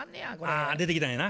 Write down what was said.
あ出てきたんやな。